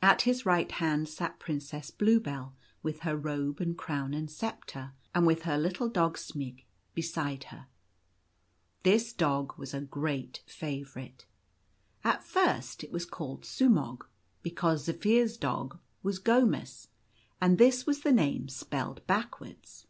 At his right hand sat Princess Bluebell, with her robe and crown and sceptre, and with her little dog Smg beside her. This dog was a great favourite. At first it was called Sumog, because Zaphir's dog was Gomus, and this was the name spelled backwards.